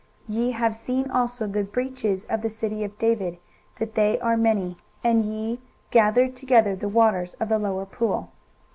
23:022:009 Ye have seen also the breaches of the city of David, that they are many: and ye gathered together the waters of the lower pool.